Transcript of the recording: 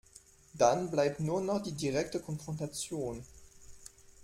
Dann bleibt nur noch die direkte Konfrontation.